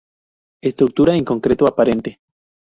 Estructura en concreto aparente.